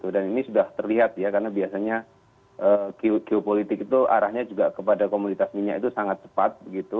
dan ini sudah terlihat karena biasanya geopolitik itu arahnya kepada komunitas minyak itu sangat cepat